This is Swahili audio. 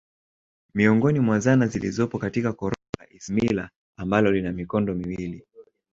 Miongoni mwa zana zilizopo katika korongo la Isimila ambalo lina mikondo miwili